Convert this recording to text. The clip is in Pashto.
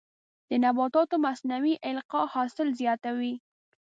د نباتاتو مصنوعي القاح حاصل زیاتوي.